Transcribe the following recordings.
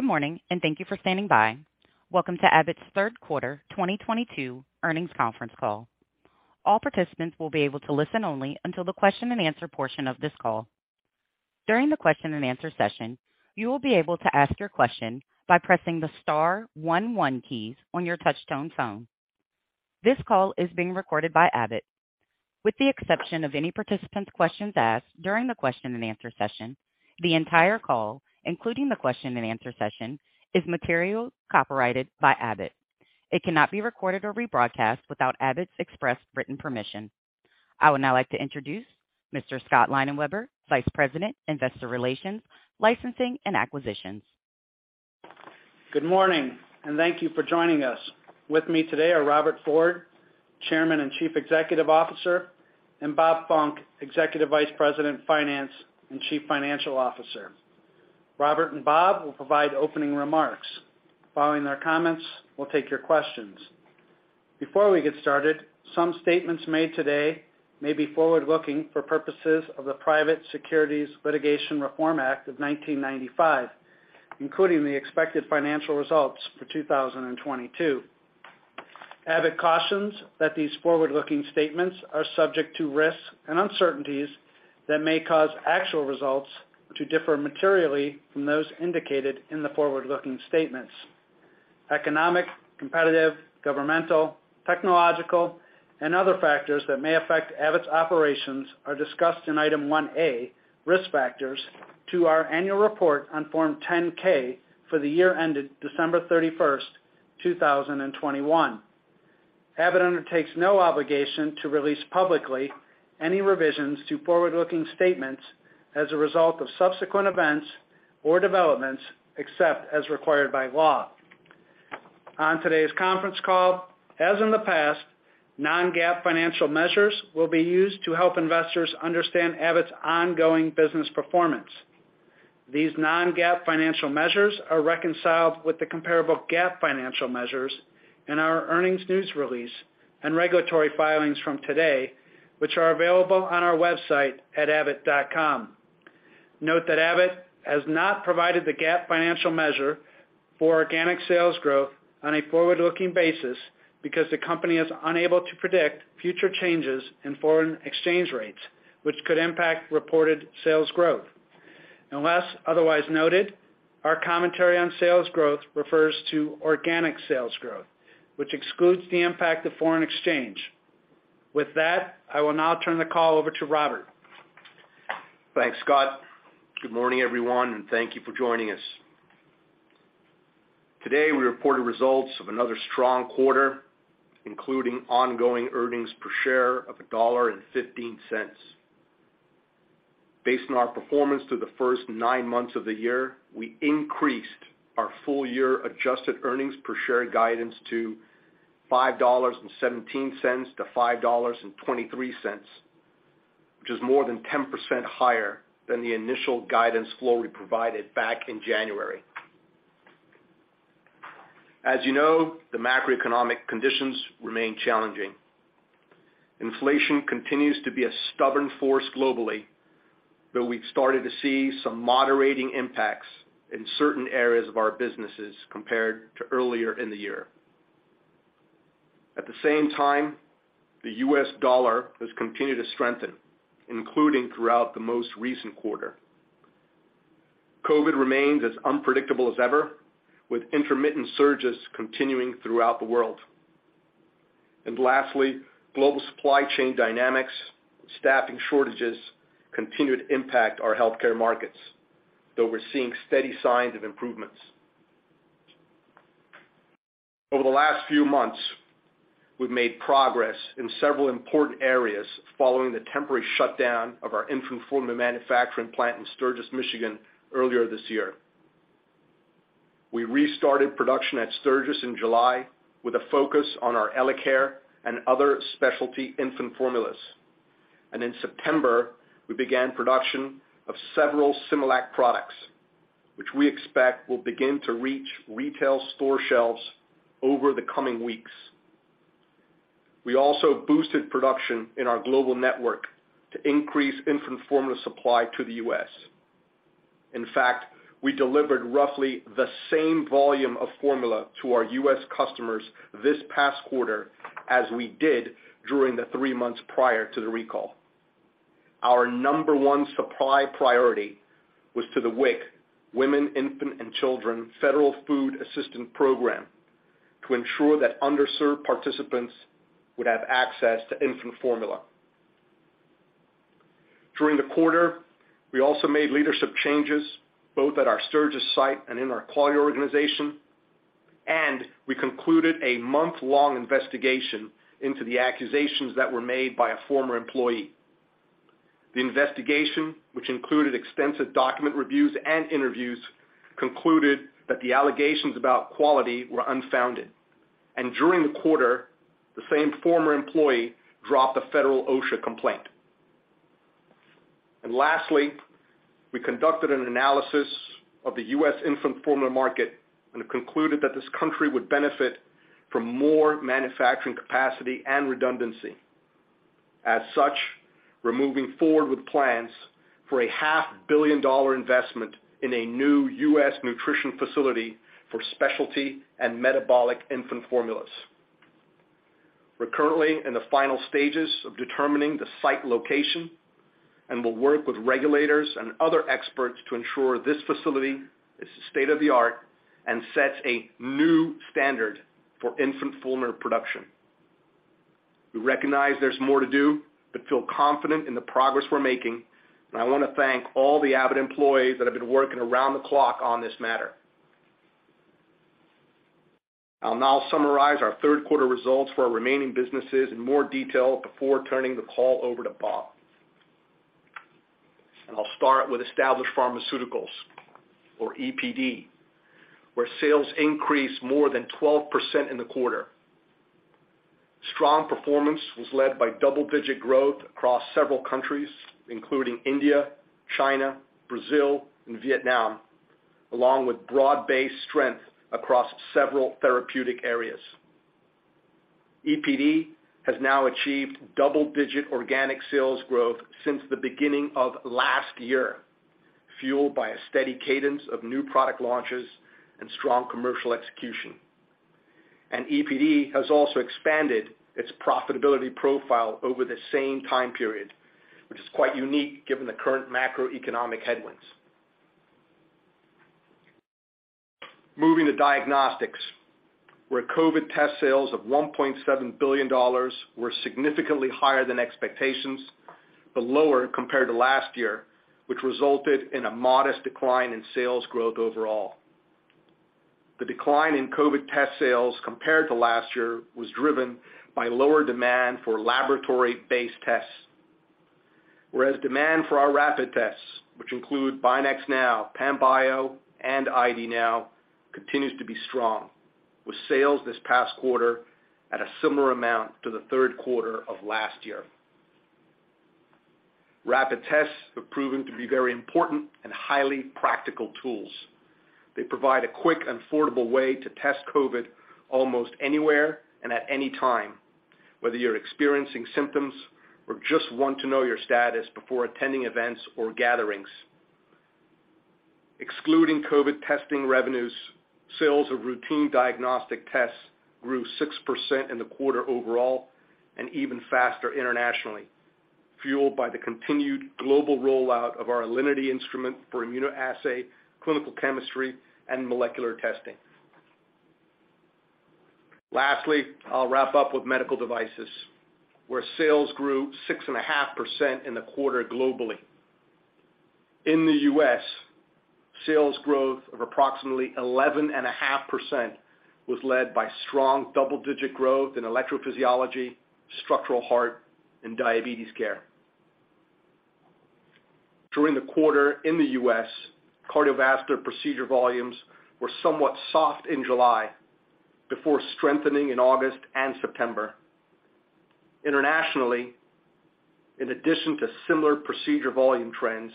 Good morning, and thank you for standing by. Welcome to Abbott's third quarter 2022 earnings conference call. All participants will be able to listen only until the question-and-answer portion of this call. During the question-and-answer session, you will be able to ask your question by pressing the star one one keys on your touchtone phone. This call is being recorded by Abbott. With the exception of any participant's questions asked during the question-and-answer session, the entire call, including the question-and-answer session, is material copyrighted by Abbott. It cannot be recorded or rebroadcast without Abbott's express written permission. I would now like to introduce Mr. Scott Leinenweber, Vice President, Investor Relations, Licensing and Acquisitions. Good morning, and thank you for joining us. With me today are Robert Ford, Chairman and Chief Executive Officer, and Robert Funck, Executive Vice President, Finance, and Chief Financial Officer. Robert and Funck will provide opening remarks. Following their comments, we'll take your questions. Before we get started, some statements made today may be forward-looking for purposes of the Private Securities Litigation Reform Act of 1995, including the expected financial results for 2022. Abbott cautions that these forward-looking statements are subject to risks and uncertainties that may cause actual results to differ materially from those indicated in the forward-looking statements. Economic, competitive, governmental, technological, and other factors that may affect Abbott's operations are discussed in Item 1A, Risk Factors, to our annual report on Form 10-K for the year ended December 31, 2021. Abbott undertakes no obligation to release publicly any revisions to forward-looking statements as a result of subsequent events or developments, except as required by law. On today's conference call, as in the past, non-GAAP financial measures will be used to help investors understand Abbott's ongoing business performance. These non-GAAP financial measures are reconciled with the comparable GAAP financial measures in our earnings news release and regulatory filings from today, which are available on our website at abbott.com. Note that Abbott has not provided the GAAP financial measure for organic sales growth on a forward-looking basis because the company is unable to predict future changes in foreign exchange rates which could impact reported sales growth. Unless otherwise noted, our commentary on sales growth refers to organic sales growth, which excludes the impact of foreign exchange. With that, I will now turn the call over to Robert. Thanks, Scott. Good morning, everyone, and thank you for joining us. Today, we reported results of another strong quarter, including ongoing earnings per share of $1.15. Based on our performance through the first 9 months of the year, we increased our full year adjusted earnings per share guidance to $5.17-$5.23, which is more than 10% higher than the initial guidance we provided back in January. As you know, the macroeconomic conditions remain challenging. Inflation continues to be a stubborn force globally, though we've started to see some moderating impacts in certain areas of our businesses compared to earlier in the year. At the same time, the US dollar has continued to strengthen, including throughout the most recent quarter. COVID remains as unpredictable as ever, with intermittent surges continuing throughout the world. Lastly, global supply chain dynamics, staffing shortages continue to impact our healthcare markets, though we're seeing steady signs of improvements. Over the last few months, we've made progress in several important areas following the temporary shutdown of our infant formula manufacturing plant in Sturgis, Michigan earlier this year. We restarted production at Sturgis in July with a focus on our EleCare and other specialty infant formulas. In September, we began production of several Similac products, which we expect will begin to reach retail store shelves over the coming weeks. We also boosted production in our global network to increase infant formula supply to the US. In fact, we delivered roughly the same volume of formula to our US customers this past quarter as we did during the three months prior to the recall. Our number one supply priority was to the WIC, Women, Infant, and Children federal food assistance program to ensure that underserved participants would have access to infant formula. During the quarter, we also made leadership changes, both at our Sturgis site and in our quality organization, and we concluded a month-long investigation into the accusations that were made by a former employee. The investigation, which included extensive document reviews and interviews, concluded that the allegations about quality were unfounded. During the quarter, the same former employee dropped a federal OSHA complaint. Lastly, we conducted an analysis of the U.S. infant formula market and concluded that this country would benefit from more manufacturing capacity and redundancy. As such, we're moving forward with plans for a half billion dollar investment in a new U.S. nutrition facility for specialty and metabolic infant formulas. We're currently in the final stages of determining the site location and will work with regulators and other experts to ensure this facility is state-of-the-art and sets a new standard for infant formula production. We recognize there's more to do, but feel confident in the progress we're making, and I wanna thank all the Abbott employees that have been working around the clock on this matter. I'll now summarize our third quarter results for our remaining businesses in more detail before turning the call over to Funck. I'll start with established pharmaceuticals or EPD, where sales increased more than 12% in the quarter. Strong performance was led by double-digit growth across several countries, including India, China, Brazil, and Vietnam, along with broad-based strength across several therapeutic areas. EPD has now achieved double-digit organic sales growth since the beginning of last year, fueled by a steady cadence of new product launches and strong commercial execution. EPD has also expanded its profitability profile over the same time period, which is quite unique given the current macroeconomic headwinds. Moving to diagnostics, where COVID test sales of $1.7 billion were significantly higher than expectations, but lower compared to last year, which resulted in a modest decline in sales growth overall. The decline in COVID test sales compared to last year was driven by lower demand for laboratory-based tests. Whereas demand for our rapid tests, which include BinaxNOW, Panbio, and ID NOW, continues to be strong, with sales this past quarter at a similar amount to the third quarter of last year. Rapid tests have proven to be very important and highly practical tools. They provide a quick and affordable way to test COVID almost anywhere and at any time, whether you're experiencing symptoms or just want to know your status before attending events or gatherings. Excluding COVID testing revenues, sales of routine diagnostic tests grew 6% in the quarter overall and even faster internationally, fueled by the continued global rollout of our Alinity instrument for immunoassay, clinical chemistry, and molecular testing. Lastly, I'll wrap up with medical devices, where sales grew 6.5% in the quarter globally. In the U.S., sales growth of approximately 11.5% was led by strong double-digit growth in electrophysiology, structural heart, and diabetes care. During the quarter in the U.S., cardiovascular procedure volumes were somewhat soft in July before strengthening in August and September. Internationally, in addition to similar procedure volume trends,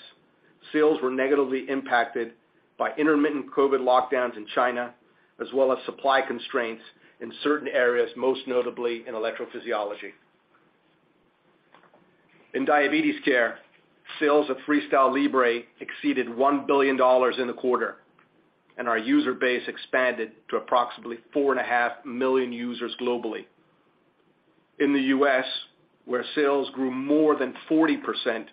sales were negatively impacted by intermittent COVID lockdowns in China, as well as supply constraints in certain areas, most notably in electrophysiology. In diabetes care, sales of FreeStyle Libre exceeded $1 billion in the quarter, and our user base expanded to approximately 4.5 million users globally. In the US, where sales grew more than 40%,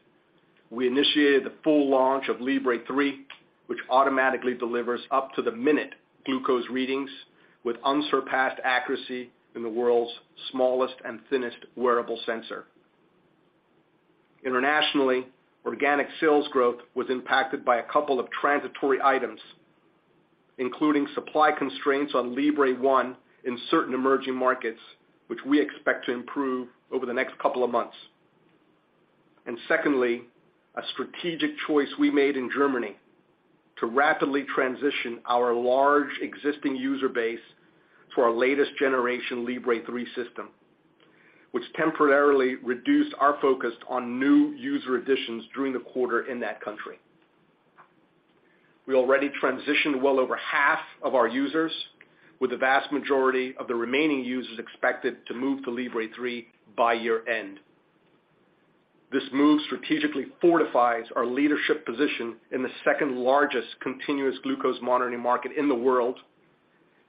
we initiated the full launch of Libre 3, which automatically delivers up-to-the-minute glucose readings with unsurpassed accuracy in the world's smallest and thinnest wearable sensor. Internationally, organic sales growth was impacted by a couple of transitory items, including supply constraints on Libre 1 in certain emerging markets, which we expect to improve over the next couple of months. Secondly, a strategic choice we made in Germany to rapidly transition our large existing user base to our latest generation Libre 3 system, which temporarily reduced our focus on new user additions during the quarter in that country. We already transitioned well over half of our users, with the vast majority of the remaining users expected to move to Libre 3 by year-end. This move strategically fortifies our leadership position in the second-largest continuous glucose monitoring market in the world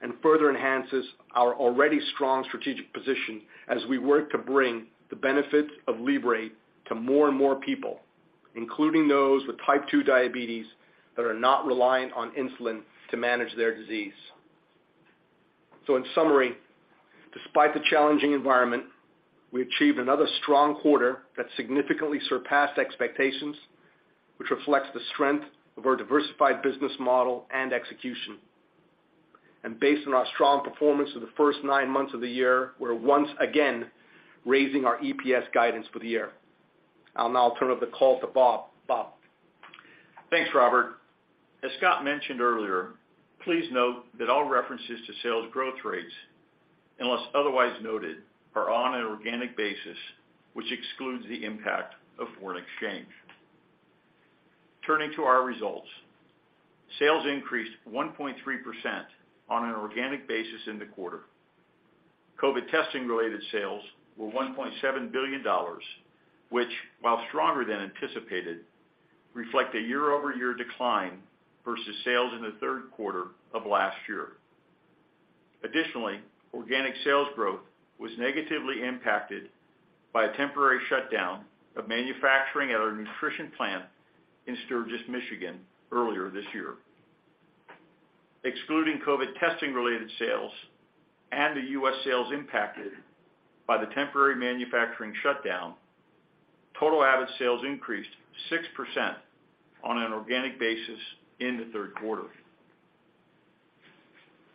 and further enhances our already strong strategic position as we work to bring the benefits of Libre to more and more people, including those with type two diabetes that are not reliant on insulin to manage their disease. In summary, despite the challenging environment, we achieved another strong quarter that significantly surpassed expectations, which reflects the strength of our diversified business model and execution. Based on our strong performance for the first nine months of the year, we're once again raising our EPS guidance for the year. I'll now turn over the call to Robert Funck. Funck? Thanks, Robert. As Scott mentioned earlier, please note that all references to sales growth rates, unless otherwise noted, are on an organic basis, which excludes the impact of foreign exchange. Turning to our results. Sales increased 1.3% on an organic basis in the quarter. COVID testing-related sales were $1.7 billion, which, while stronger than anticipated, reflect a year-over-year decline versus sales in the third quarter of last year. Additionally, organic sales growth was negatively impacted by a temporary shutdown of manufacturing at our nutrition plant in Sturgis, Michigan, earlier this year. Excluding COVID testing-related sales and the U.S. sales impacted by the temporary manufacturing shutdown, total Abbott sales increased 6% on an organic basis in the third quarter.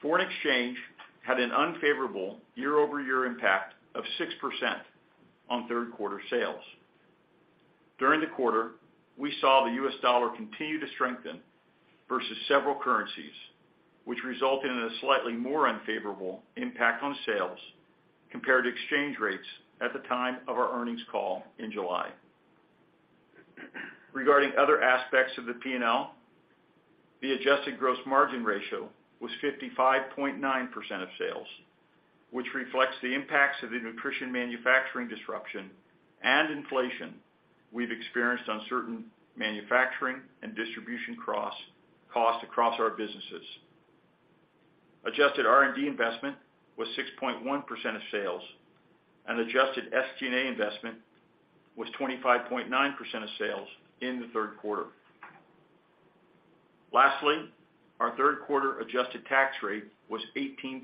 Foreign exchange had an unfavorable year-over-year impact of 6% on third quarter sales. During the quarter, we saw the US dollar continue to strengthen versus several currencies, which resulted in a slightly more unfavorable impact on sales compared to exchange rates at the time of our earnings call in July. Regarding other aspects of the P&L, the adjusted gross margin ratio was 55.9% of sales, which reflects the impacts of the nutrition manufacturing disruption and inflation we've experienced on certain manufacturing and distribution costs across our businesses. Adjusted R&D investment was 6.1% of sales, and adjusted SG&A investment was 25.9% of sales in the third quarter. Lastly, our third quarter adjusted tax rate was 18.1%,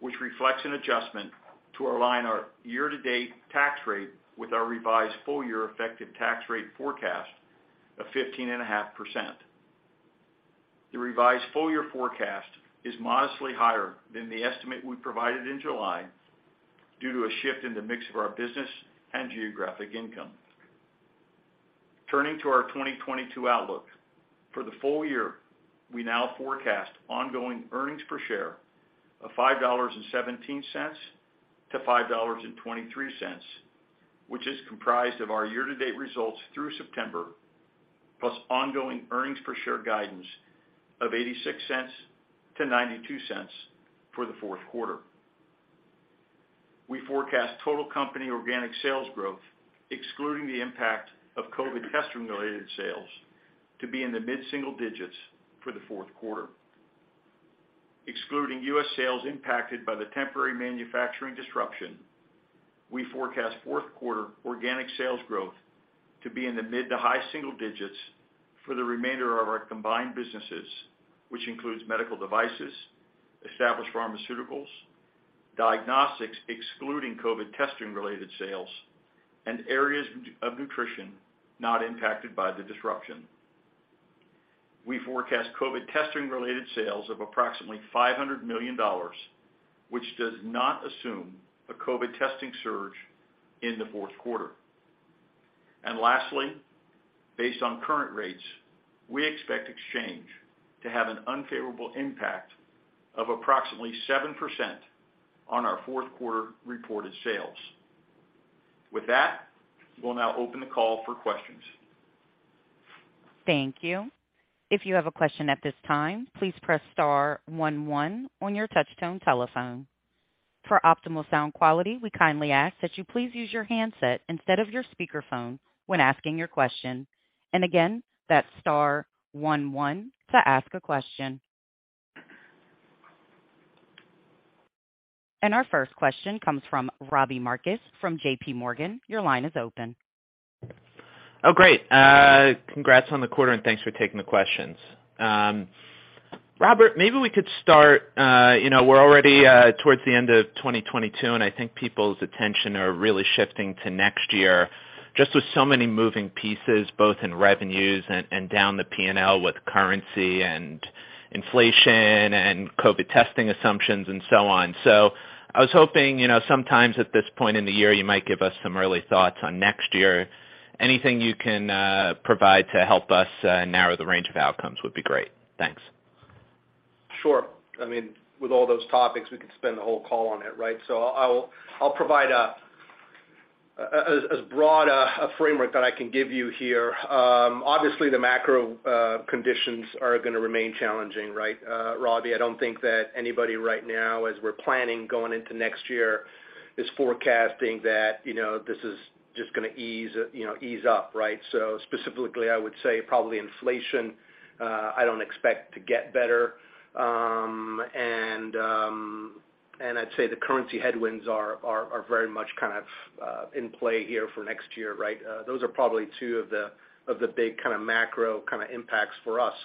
which reflects an adjustment to align our year-to-date tax rate with our revised full year effective tax rate forecast of 15.5%. The revised full year forecast is modestly higher than the estimate we provided in July due to a shift in the mix of our business and geographic income. Turning to our 2022 outlook. For the full year, we now forecast ongoing EPS of $5.17-$5.23, which is comprised of our year-to-date results through September, plus ongoing EPS guidance of $0.86-$0.92 for the fourth quarter. We forecast total company organic sales growth, excluding the impact of COVID testing-related sales, to be in the mid-single digits percentage for the fourth quarter. Excluding U.S. sales impacted by the temporary manufacturing disruption, we forecast fourth quarter organic sales growth to be in the mid- to high-single digits for the remainder of our combined businesses, which includes medical devices, established pharmaceuticals, diagnostics, excluding COVID testing-related sales, and areas of nutrition not impacted by the disruption. We forecast COVID testing-related sales of approximately $500 million, which does not assume a COVID testing surge in the fourth quarter. Lastly, based on current rates, we expect exchange to have an unfavorable impact of approximately 7% on our fourth quarter reported sales. With that, we'll now open the call for questions. Thank you. If you have a question at this time, please press star one one on your touch tone telephone. For optimal sound quality, we kindly ask that you please use your handset instead of your speakerphone when asking your question. Again, that's star one one to ask a question. Our first question comes from Robert Marcus from JPMorgan. Your line is open. Oh, great. Congrats on the quarter, and thanks for taking the questions. Robert, maybe we could start, you know, we're already towards the end of 2022, and I think people's attention are really shifting to next year. Just with so many moving pieces, both in revenues and down the P&L with currency and inflation and COVID testing assumptions and so on. I was hoping, you know, sometimes at this point in the year, you might give us some early thoughts on next year. Anything you can provide to help us narrow the range of outcomes would be great. Thanks. Sure. I mean, with all those topics, we could spend the whole call on it, right? I'll provide a broad framework that I can give you here. Obviously, the macro conditions are gonna remain challenging, right, Robert? I don't think that anybody right now, as we're planning going into next year, is forecasting that, you know, this is just gonna ease up, right? Specifically, I would say probably inflation, I don't expect to get better. I'd say the currency headwinds are very much kind of in play here for next year, right? Those are probably two of the big kinda macro impacts for us.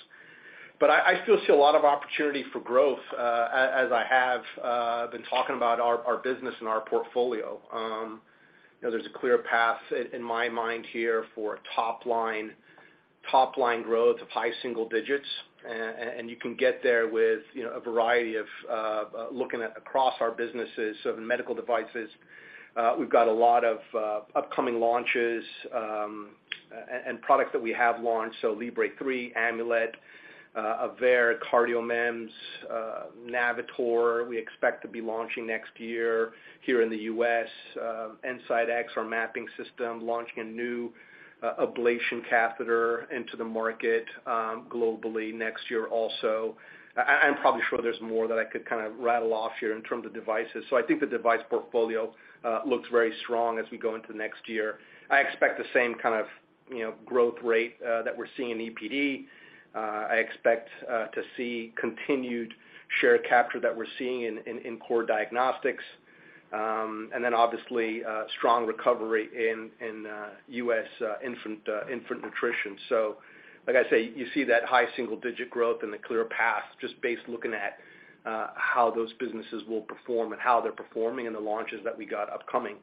I still see a lot of opportunity for growth, as I have been talking about our business and our portfolio. You know, there's a clear path in my mind here for top line growth of high single digits. You can get there with, you know, a variety of looking at across our businesses. The medical devices, we've got a lot of upcoming launches. Products that we have launched, so Libre 3, Amulet, Aveir, CardioMEMS, Navitor, we expect to be launching next year here in the U.S. EnSite X, our mapping system, launching a new ablation catheter into the market globally next year also. I'm probably sure there's more that I could kind of rattle off here in terms of devices. I think the device portfolio looks very strong as we go into next year. I expect the same kind of, you know, growth rate that we're seeing in EPD. I expect to see continued share capture that we're seeing in core diagnostics. Obviously, strong recovery in U.S. infant nutrition. Like I say, you see that high single digit growth and the clear path just based looking at how those businesses will perform and how they're performing and the launches that we got upcoming.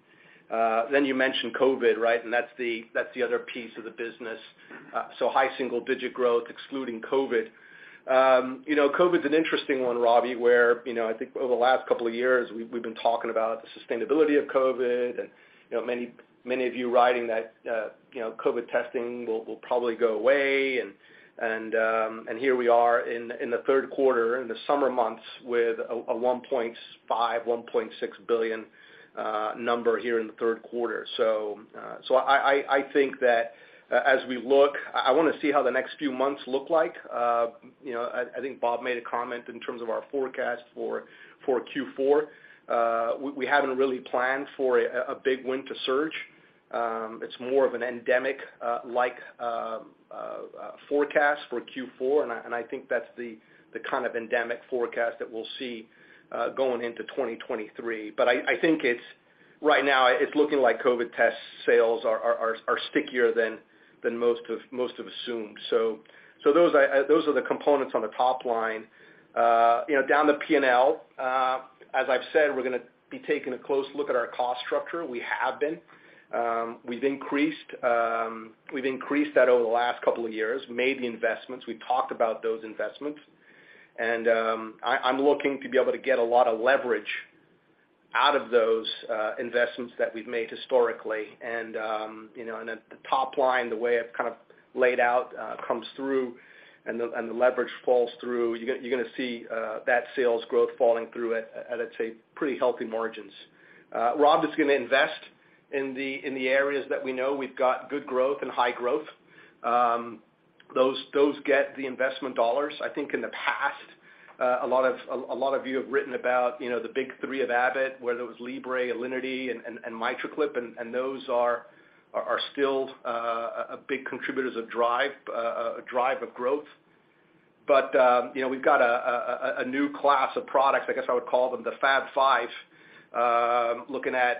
You mentioned COVID, right? That's the other piece of the business. High single digit growth excluding COVID. You know, COVID's an interesting one, Robert, where you know, I think over the last couple of years, we've been talking about the sustainability of COVID and, you know, many, many of you writing that you know, COVID testing will probably go away. Here we are in the third quarter, in the summer months with a $1.5-$1.6 billion number here in the third quarter. I think that as we look I wanna see how the next few months look like. You know, I think Funck made a comment in terms of our forecast for Q4. We haven't really planned for a big winter surge. It's more of an endemic forecast for Q4, and I think that's the kind of endemic forecast that we'll see going into 2023. Right now, it's looking like COVID test sales are stickier than most have assumed. Those are the components on the top line. You know, down the P&L, as I've said, we're gonna be taking a close look at our cost structure. We have been. We've increased that over the last couple of years, made the investments. We've talked about those investments. I'm looking to be able to get a lot of leverage out of those investments that we've made historically. You know, and at the top line, the way I've kind of laid out comes through and the leverage falls through, you're gonna see that sales growth falling through at, I'd say, pretty healthy margins. robert Funck is gonna invest in the areas that we know we've got good growth and high growth. Those get the investment dollars. I think in the past, a lot of you have written about, you know, the big three of Abbott, whether it was Libre, Alinity and MitraClip, and those are still a big contributors of drive, a drive of growth. We have a new class of products, I guess I would call them the Fab Five, looking at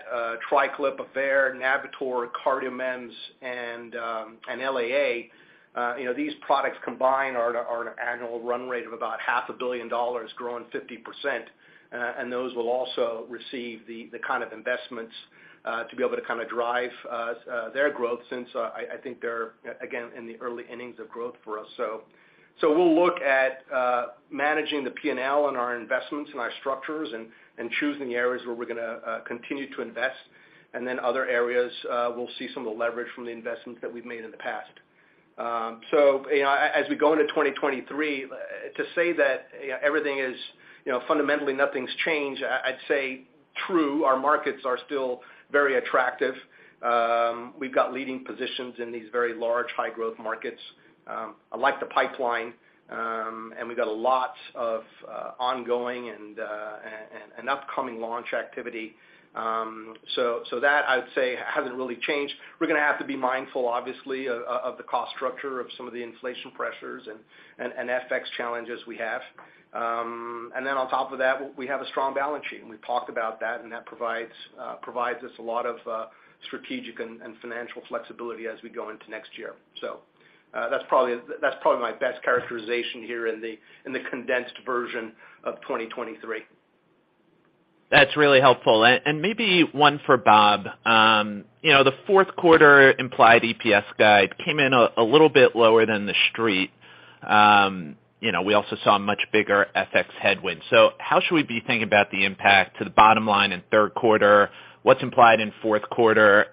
TriClip, Aveir, Navitor, CardioMEMS and LAA. You know, these products combined are at an annual run rate of about half a billion dollars, growing 50%. Those will also receive the kind of investments to be able to kind of drive their growth since I think they're again in the early innings of growth for us. We'll look at managing the P&L and our investments and our structures and choosing the areas where we're gonna continue to invest. Other areas, we'll see some of the leverage from the investments that we've made in the past. You know, as we go into 2023, to say that, you know, everything is, you know, fundamentally nothing's changed, I'd say true. Our markets are still very attractive. We've got leading positions in these very large high growth markets. I like the pipeline, and we've got a lot of ongoing and an upcoming launch activity. That I would say hasn't really changed. We're gonna have to be mindful, obviously, of the cost structure, of some of the inflation pressures and FX challenges we have. We have a strong balance sheet, and we've talked about that, and that provides us a lot of strategic and financial flexibility as we go into next year. That's probably my best characterization here in the condensed version of 2023. That's really helpful. And maybe one for Robert Funck. You know, the fourth quarter implied EPS guide came in a little bit lower than the street. You know, we also saw a much bigger FX headwind. How should we be thinking about the impact to the bottom line in third quarter? What's implied in fourth quarter?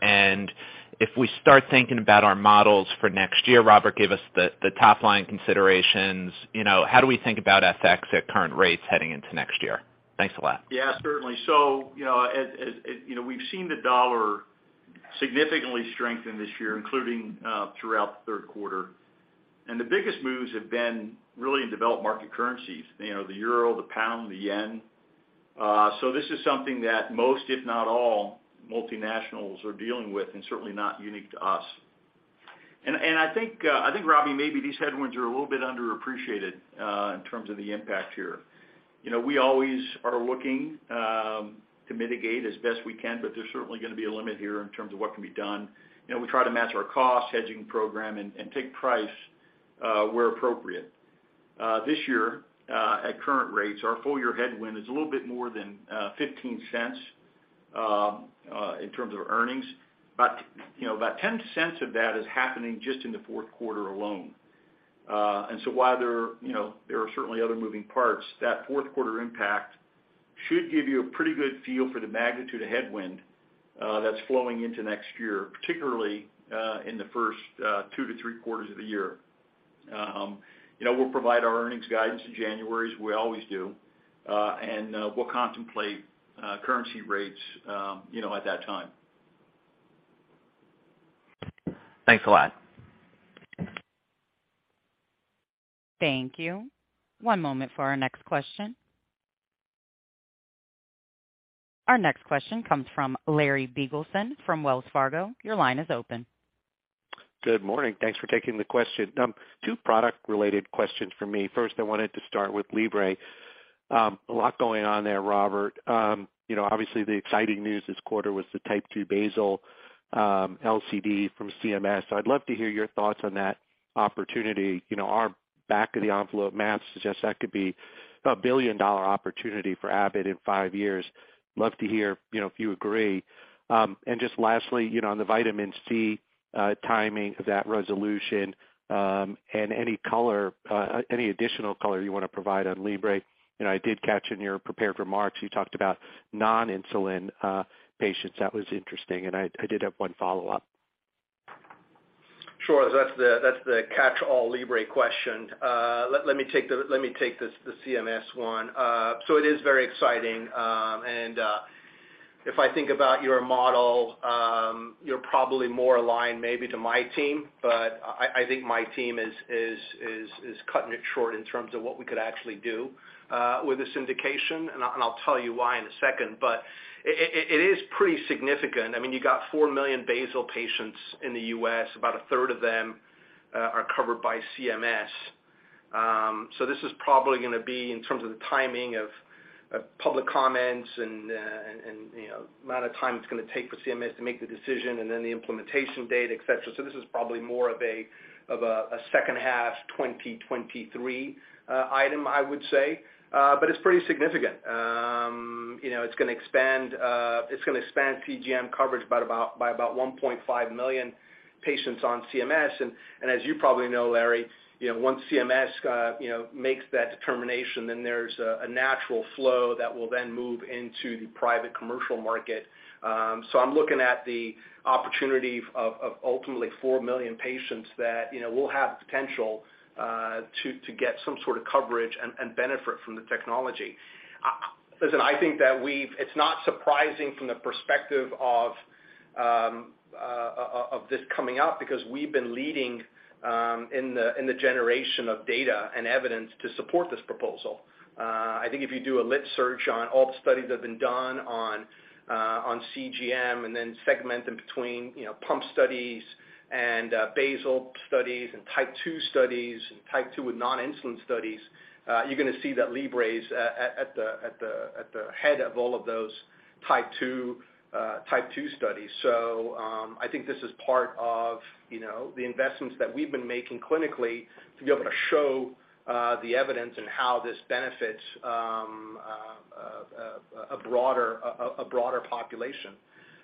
If we start thinking about our models for next year, Robert gave us the top line considerations. You know, how do we think about FX at current rates heading into next year? Thanks a lot. Yeah, certainly. You know, as you know, we've seen the U.S. dollar significantly strengthen this year, including throughout the third quarter. The biggest moves have been really in developed market currencies, you know, the euro, the pound, the yen. This is something that most, if not all, multinationals are dealing with, and certainly not unique to us. I think Robert, maybe these headwinds are a little bit underappreciated in terms of the impact here. You know, we always are looking to mitigate as best we can, but there's certainly gonna be a limit here in terms of what can be done. You know, we try to match our cost hedging program and take price where appropriate. This year, at current rates, our full year headwind is a little bit more than $0.15 in terms of earnings. You know, about $0.10 of that is happening just in the fourth quarter alone. While there, you know, there are certainly other moving parts, that fourth quarter impact should give you a pretty good feel for the magnitude of headwind that's flowing into next year, particularly in the first two to three quarters of the year. You know, we'll provide our earnings guidance in January as we always do, and we'll contemplate currency rates, you know, at that time. Thanks a lot. Thank you. One moment for our next question. Our next question comes from Lawrence Biegelsen from Wells Fargo. Your line is open. Good morning. Thanks for taking the question. Two product-related questions from me. First, I wanted to start with Libre. A lot going on there, Robert. You know, obviously the exciting news this quarter was the Type 2 basal LCD from CMS. So I'd love to hear your thoughts on that opportunity. You know, our back of the envelope math suggests that could be a billion-dollar opportunity for Abbott in five years. Love to hear, you know, if you agree. Just lastly, you know, on the vitamin C timing of that resolution, and any color, any additional color you want to provide on Libre. You know, I did catch in your prepared remarks, you talked about non-insulin patients. That was interesting. I did have one follow-up. Sure. That's the catchall Libre question. Let me take the CMS one. It is very exciting. If I think about your model, you're probably more aligned maybe to my team, but I think my team is cutting it short in terms of what we could actually do with this indication, and I'll tell you why in a second. It is pretty significant. I mean, you got 4 million basal patients in the U.S., about a third of them are covered by CMS. This is probably gonna be in terms of the timing of public comments and you know, amount of time it's gonna take for CMS to make the decision and then the implementation date, et cetera. This is probably more of a second half 2023 item, I would say. But it's pretty significant. You know, it's gonna expand CGM coverage by about 1.5 million patients on CMS. And as you probably know, Larry, you know, once CMS makes that determination, then there's a natural flow that will then move into the private commercial market. I'm looking at the opportunity of ultimately 4 million patients that, you know, will have potential to get some sort of coverage and benefit from the technology. Listen, I think that it's not surprising from the perspective of this coming up because we've been leading in the generation of data and evidence to support this proposal. I think if you do a lit search on all the studies that have been done on CGM and then segment them between, you know, pump studies and basal studies and Type 2 studies and Type 2 with non-insulin studies, you're gonna see that Libre is at the head of all of those Type 2 studies. I think this is part of the investments that we've been making clinically to be able to show the evidence and how this benefits a broader population.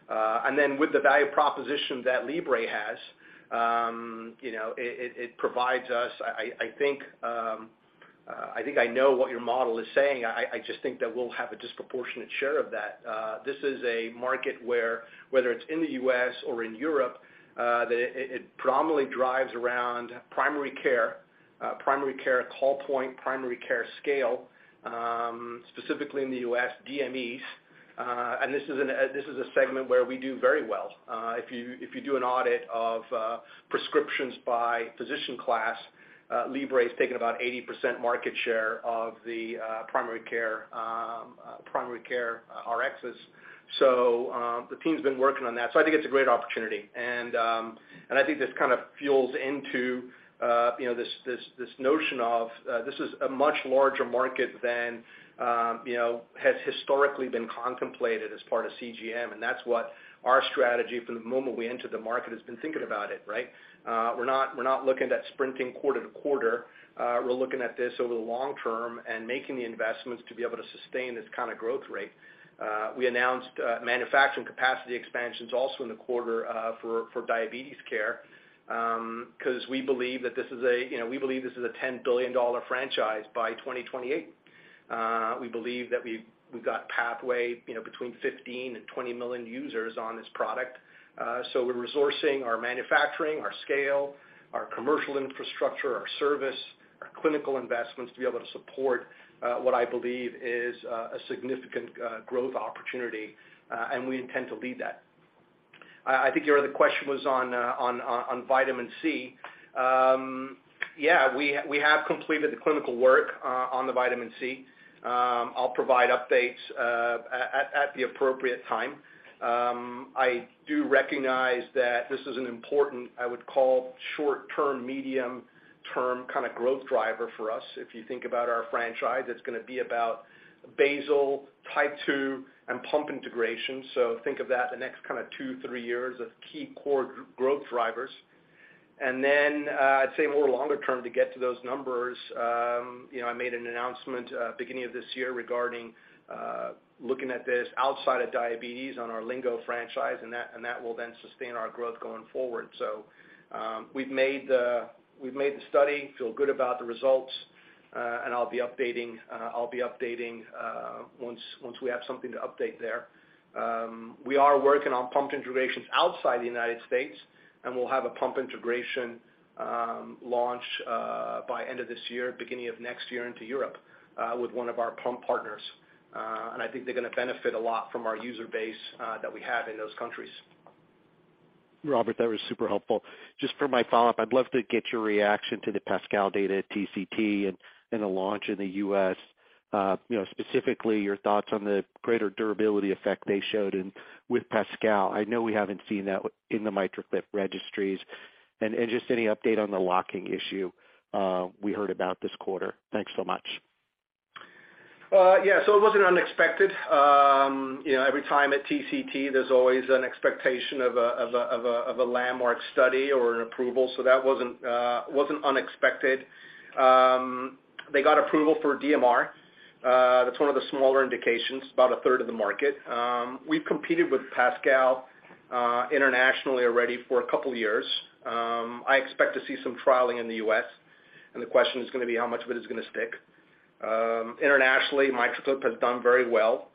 With the value proposition that Libre has, you know, it provides us I think I know what your model is saying. I just think that we'll have a disproportionate share of that. This is a market where whether it's in the U.S. or in Europe, it predominantly drives around primary care, primary care call point, primary care scale, specifically in the U.S. DMEs. This is a segment where we do very well. If you do an audit of prescriptions by physician class, Libre has taken about 80% market share of the primary care Rx's. The team's been working on that. I think it's a great opportunity. I think this kind of fuels into, you know, this notion of, this is a much larger market than, you know, has historically been contemplated as part of CGM. That's what our strategy from the moment we entered the market has been thinking about it, right? We're not looking at sprinting quarter to quarter. We're looking at this over the long term and making the investments to be able to sustain this kind of growth rate. We announced manufacturing capacity expansions also in the quarter for diabetes care, because we believe that this is a, you know, we believe this is a $10 billion franchise by 2028. We believe that we've got pathway, you know, between 15 and 20 million users on this product. So we're resourcing our manufacturing, our scale, our commercial infrastructure, our service, our clinical investments to be able to support what I believe is a significant growth opportunity, and we intend to lead that. I think your other question was on vitamin C. Yeah, we have completed the clinical work on the vitamin C. I'll provide updates at the appropriate time. I do recognize that this is an important, I would call short-term, medium-term kind of growth driver for us. If you think about our franchise, it's gonna be about basal, Type 2, and pump integration. Think of that the next kind of 2 years-3 years of key core growth drivers. I'd say more longer term to get to those numbers, you know, I made an announcement beginning of this year regarding looking at this outside of diabetes on our Lingo franchise, and that will then sustain our growth going forward. We feel good about the study results. I'll be updating once we have something to update there. We are working on pump integrations outside the United States, and we'll have a pump integration launch by end of this year, beginning of next year into Europe with one of our pump partners. I think they're gonna benefit a lot from our user base that we have in those countries. Robert, that was super helpful. Just for my follow-up, I'd love to get your reaction to the PASCAL data at TCT and the launch in the U.S. You know, specifically your thoughts on the greater durability effect they showed in with PASCAL. I know we haven't seen that in the MitraClip registries. Just any update on the locking issue we heard about this quarter. Thanks so much. Yeah. It wasn't unexpected. You know, every time at TCT, there's always an expectation of a landmark study or an approval. That wasn't unexpected. They got approval for DMR. That's one of the smaller indications, about a third of the market. We've competed with PASCAL internationally already for a couple years. I expect to see some trialing in the U.S., and the question is gonna be how much of it is gonna stick. Internationally, MitraClip has done very well.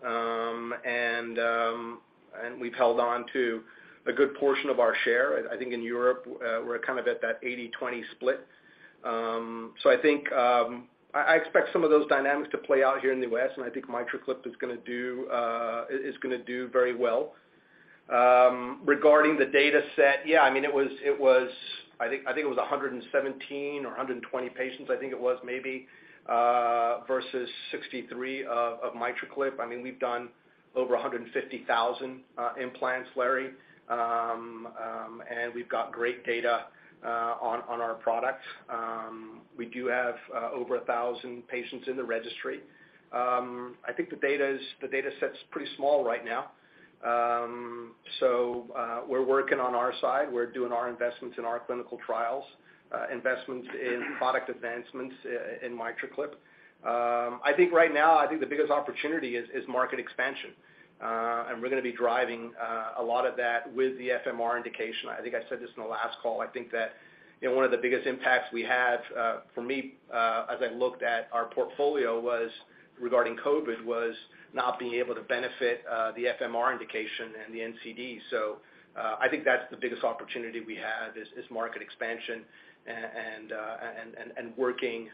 We've held on to a good portion of our share. I think in Europe, we're kind of at that 80-20 split. I think I expect some of those dynamics to play out here in the U.S., and I think MitraClip is gonna do very well. Regarding the dataset, I mean, it was I think it was 117 or 120 patients, I think it was maybe versus 63 of MitraClip. I mean, we've done over 150,000 implants, Larry. We've got great data on our products. We do have over 1,000 patients in the registry. I think the dataset's pretty small right now. We're working on our side. We're doing our investments in our clinical trials, investments in product advancements in MitraClip. I think right now, I think the biggest opportunity is market expansion. We're gonna be driving a lot of that with the FMR indication. I think I said this in the last call. I think that, you know, one of the biggest impacts we had, for me, as I looked at our portfolio was regarding COVID, was not being able to benefit the FMR indication and the NCD. I think that's the biggest opportunity we have is market expansion and working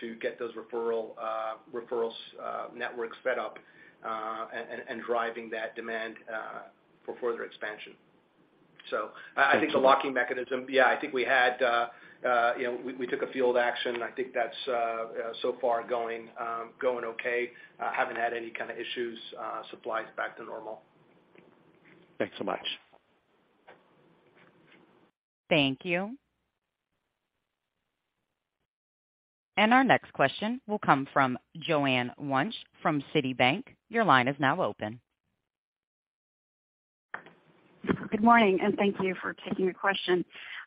to get those referral networks beefed up and driving that demand for further expansion. I think the locking mechanism. I think we had, you know, we took a field action. I think that's so far going okay. Haven't had any kind of issues. Supply is back to normal. Thanks so much. Thank you. Our next question will come from Joanne Wuensch from Citibank. Your line is now open. Good morning, and thank you for taking the question.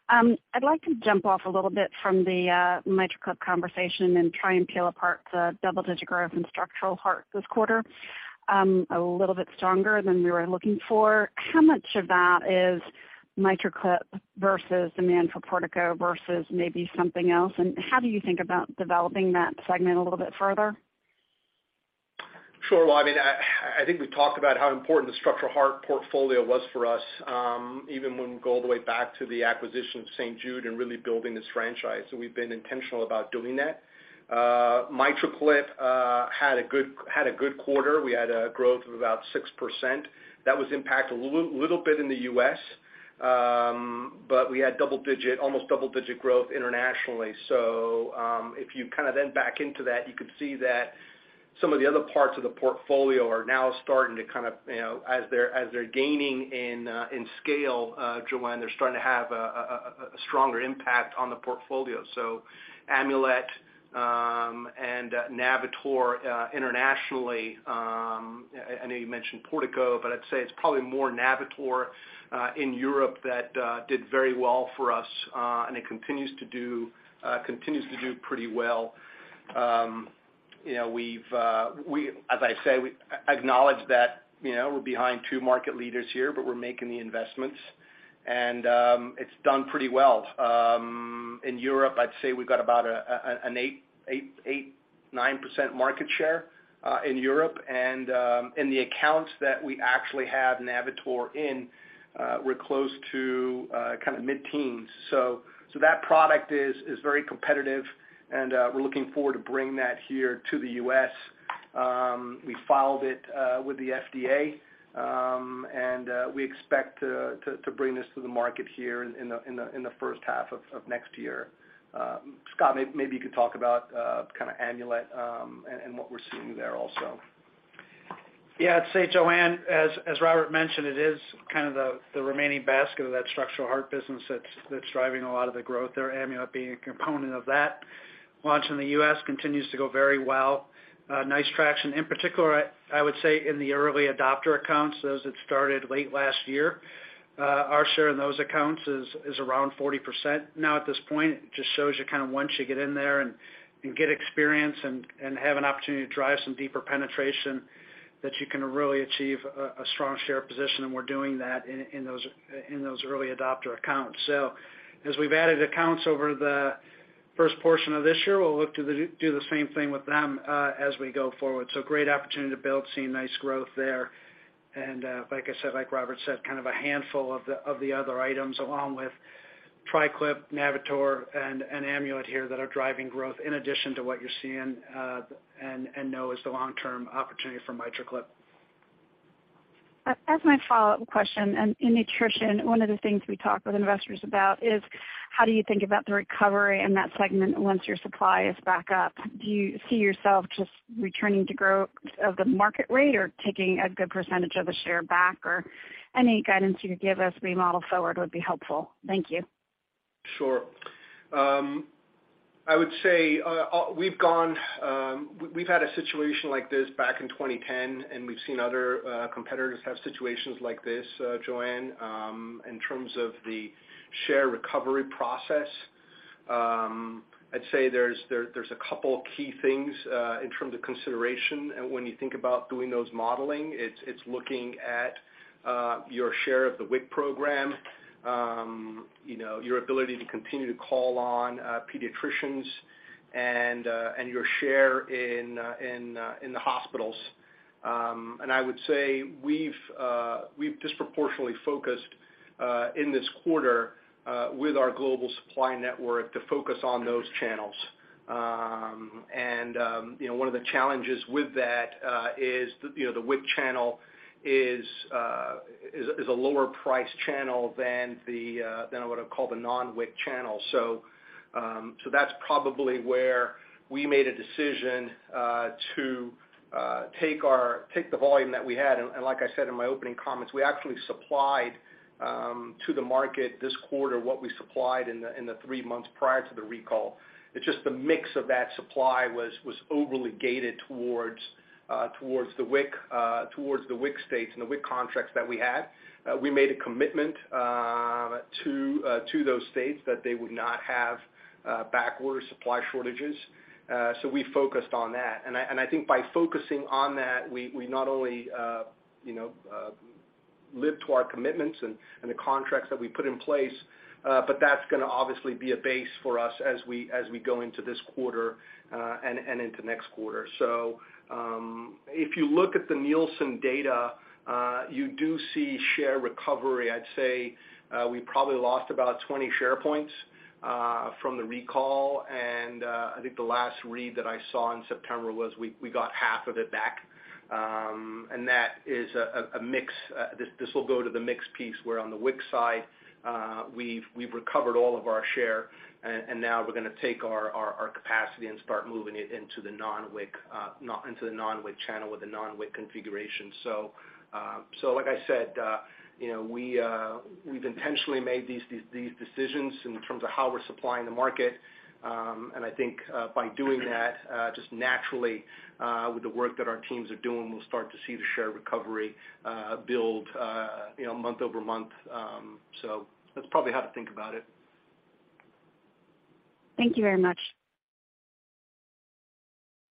I'd like to jump off a little bit from the MitraClip conversation and try and peel apart the double-digit growth in structural heart this quarter, a little bit stronger than we were looking for. How much of that is MitraClip versus demand for Portico versus maybe something else? How do you think about developing that segment a little bit further? Sure. Well, I mean, I think we've talked about how important the structural heart portfolio was for us, even when we go all the way back to the acquisition of St. Jude and really building this franchise, and we've been intentional about doing that. MitraClip had a good quarter. We had a growth of about 6%. That was impacted a little bit in the U.S., but we had double digit, almost double digit growth internationally. If you kind of then back into that, you could see that some of the other parts of the portfolio are now starting to kind of, you know, as they're gaining in scale, Joanne, they're starting to have a stronger impact on the portfolio. Amulet and Navitor internationally. I know you mentioned Portico, but I'd say it's probably more Navitor in Europe that did very well for us, and it continues to do pretty well. You know, as I say, we acknowledge that, you know, we're behind two market leaders here, but we're making the investments, and it's done pretty well. In Europe, I'd say we've got about an 8%-9% market share in Europe. In the accounts that we actually have Navitor in, we're close to kind of mid-teens. That product is very competitive, and we're looking forward to bring that here to the U.S. We filed it with the FDA, and we expect to bring this to the market here in the first half of next year. Scott, maybe you could talk about Amulet and what we're seeing there also. Yeah. I'd say, Joanne, as Robert mentioned, it is kind of the remaining basket of that structural heart business that's driving a lot of the growth there, Amulet being a component of that. Launch in the U.S. continues to go very well. Nice traction. In particular, I would say in the early adopter accounts, those that started late last year, our share in those accounts is around 40% now at this point. It just shows you kind of once you get in there and get experience and have an opportunity to drive some deeper penetration, that you can really achieve a strong share position, and we're doing that in those early adopter accounts. As we've added accounts over the first portion of this year, we'll look to do the same thing with them as we go forward. Great opportunity to build, seeing nice growth there. Like I said, like Robert said, kind of a handful of the other items along with TriClip, Navitor, and Amulet here that are driving growth in addition to what you're seeing and know is the long-term opportunity for MitraClip. As my follow-up question, in nutrition, one of the things we talk with investors about is how do you think about the recovery in that segment once your supply is back up? Do you see yourself just returning to growth of the market rate or taking a good percentage of the share back? Or any guidance you could give us we model forward would be helpful. Thank you. Sure. I would say, we've had a situation like this back in 2010, and we've seen other competitors have situations like this, Joanne. In terms of the share recovery process, I'd say there's a couple key things in terms of consideration. When you think about doing those modeling, it's looking at your share of the WIC program, you know, your ability to continue to call on pediatricians and your share in the hospitals. I would say we've disproportionately focused in this quarter with our global supply network to focus on those channels. You know, one of the challenges with that is you know, the WIC channel is a lower price channel than what I would call the non-WIC channel. That's probably where we made a decision to take the volume that we had, and like I said in my opening comments, we actually supplied to the market this quarter what we supplied in the three months prior to the recall. It's just the mix of that supply was overly gated towards the WIC states and the WIC contracts that we had. We made a commitment to those states that they would not have backward supply shortages. We focused on that. I think by focusing on that, we not only you know lived up to our commitments and the contracts that we put in place, but that's gonna obviously be a base for us as we go into this quarter and into next quarter. If you look at the Nielsen data, you do see share recovery. I'd say we probably lost about 20 share points from the recall. I think the last read that I saw in September was we got half of it back. That is a mix. This will go to the mix piece where on the WIC side, we've recovered all of our share, and now we're gonna take our capacity and start moving it into the non-WIC channel with a non-WIC configuration. Like I said, you know, we've intentionally made these decisions in terms of how we're supplying the market. I think by doing that, just naturally, with the work that our teams are doing, we'll start to see the share recovery build, you know, month-over-month. That's probably how to think about it. Thank you very much.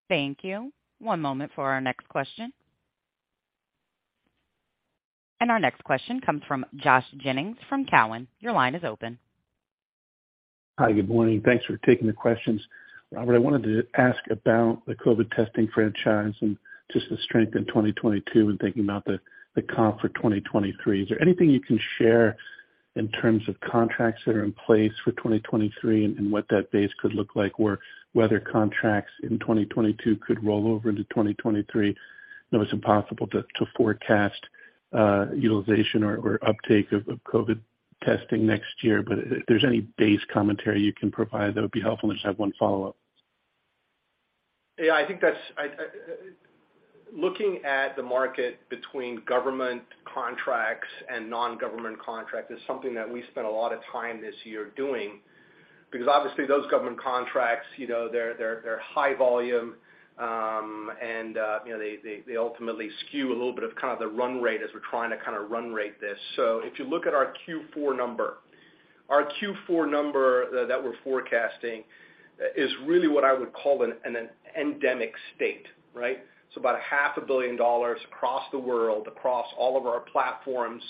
Thank you. One moment for our next question. Our next question comes from Joshua Jennings from TD Cowen. Your line is open. Hi, good morning. Thanks for taking the questions. Robert, I wanted to ask about the COVID testing franchise and just the strength in 2022 and thinking about the comp for 2023. Is there anything you can share in terms of contracts that are in place for 2023 and what that base could look like, whether contracts in 2022 could roll over into 2023? I know it's impossible to forecast utilization or uptake of COVID testing next year, but if there's any base commentary you can provide, that would be helpful. Just have one follow-up. Looking at the market between government contracts and non-government contract is something that we spent a lot of time this year doing because obviously those government contracts, you know, they're high volume, and you know, they ultimately skew a little bit of kind of the run rate as we're trying to kind of run rate this. If you look at our Q4 number that we're forecasting is really what I would call an endemic state, right? About a half a billion dollars across the world, across all of our platforms,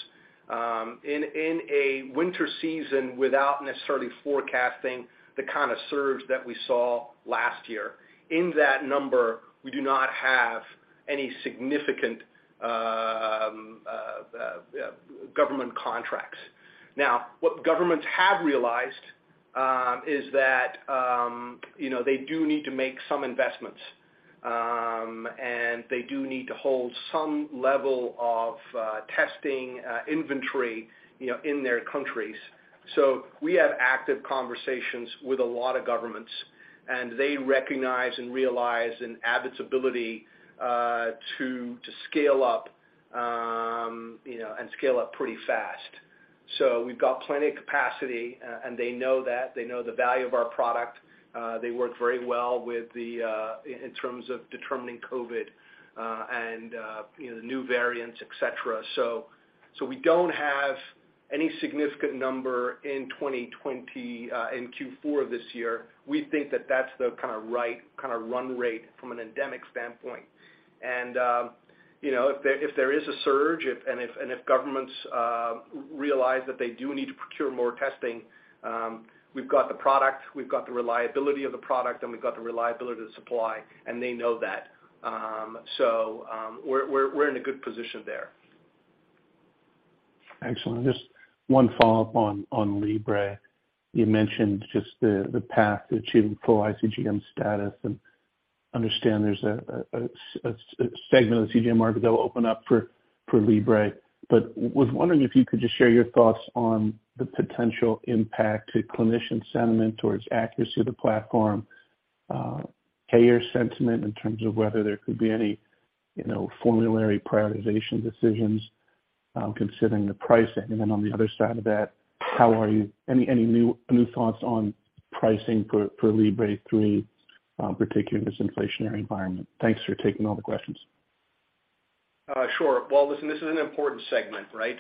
in a winter season without necessarily forecasting the kind of surge that we saw last year. In that number, we do not have any significant government contracts. Now, what governments have realized is that, you know, they do need to make some investments, and they do need to hold some level of testing inventory, you know, in their countries. We have active conversations with a lot of governments, and they recognize and realize in Abbott's ability to scale up, you know, and scale up pretty fast. We've got plenty of capacity, and they know that. They know the value of our product. They work very well in terms of determining COVID and, you know, the new variants, et cetera. We don't have any significant number in Q4 of this year. We think that that's the kind of right kind of run rate from an endemic standpoint. You know, if there is a surge, if governments realize that they do need to procure more testing, we've got the product, we've got the reliability of the product, and we've got the reliability of the supply, and they know that. We're in a good position there. Excellent. Just one follow-up on Libre. You mentioned just the path to achieving full iCGM status, and understand there's a segment of the CGM market that will open up for Libre. Was wondering if you could just share your thoughts on the potential impact to clinician sentiment towards accuracy of the platform, payer sentiment in terms of whether there could be any, you know, formulary prioritization decisions, considering the pricing. Then on the other side of that, how are you any new thoughts on pricing for Libre three, particularly in this inflationary environment? Thanks for taking all the questions. Sure. Well, listen, this is an important segment, right?